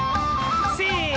せの。